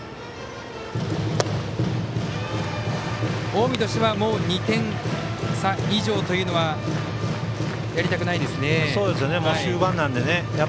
近江としては２点差以上というのはやりたくないですね。